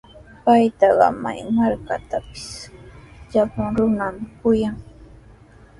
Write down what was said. Paytaqa may markatrawpis llapan runami kuyan.